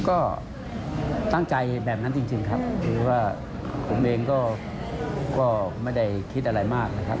ก็ตั้งใจแบบนั้นจริงครับคือว่าผมเองก็ไม่ได้คิดอะไรมากนะครับ